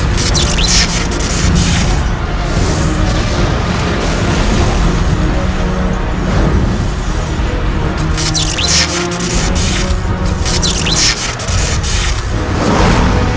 kau menyerah abikar